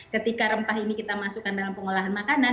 ketika rempah ini kita masukkan dalam pengolahan makanan